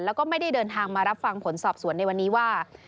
แล้วก็ไม่ได้เดินทางมารับฟังผลสอบสวนในวันนี้ว่า